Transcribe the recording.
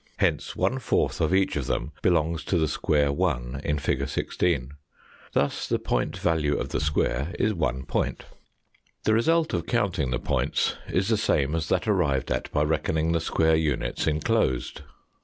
Hence one fourth of each of them belongs to the square (1) in fig. 16. Thus the point value of the square is one point. The result of counting the points is the same as that arrived at by reckoning the square units enclosed.